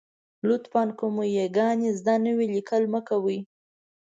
لطفاً! که مو یاګانې زده نه وي، لیکل مه کوئ.